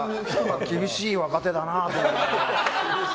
厳しい若手だなと思って。